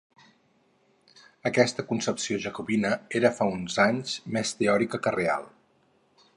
Aquesta concepció jacobina era fa uns anys més teòrica que real